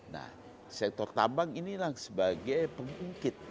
nah sektor tambang ini lah sebagai pengungkit